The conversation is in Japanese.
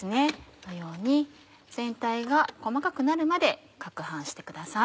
このように全体が細かくなるまで撹拌してください。